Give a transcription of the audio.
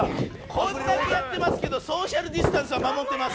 こんなにやってますけどソーシャルディスタンスは守ってます。